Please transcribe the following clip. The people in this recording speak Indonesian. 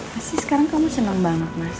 masih sekarang kamu seneng banget mas